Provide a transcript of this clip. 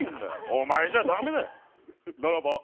お前じゃだめだ！